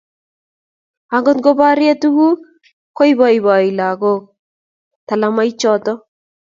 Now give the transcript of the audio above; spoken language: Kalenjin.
akot ngo borei tukuk, koiboiboi lakok talamoichoto